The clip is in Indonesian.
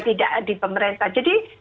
tidak di pemerintah jadi